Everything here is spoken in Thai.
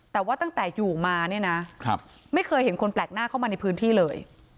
แต่ว่าตั้งแต่อยู่มาเนี่ยนะไม่เคยเห็นคนแปลกหน้าเข้ามาในพื้นที่เลย